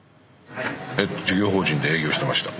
事業法人で営業してました。